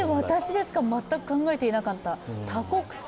私、全く考えていなかった。